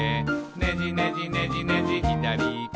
「ねじねじねじねじひだりいけ」